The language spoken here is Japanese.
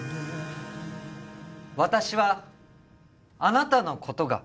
「私はあなたのことが」